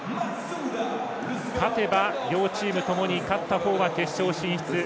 勝てば両チームともに勝った方が決勝進出。